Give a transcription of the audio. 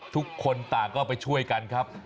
ทุกคนต่างก็ไปช่วยกันครับ